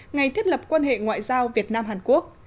ngày thiết lập quan hệ ngoại giao việt nam hàn quốc